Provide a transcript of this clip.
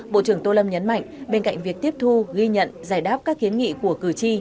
bộ trưởng tô lâm nhấn mạnh bên cạnh việc tiếp thu ghi nhận giải đáp các kiến nghị của cử tri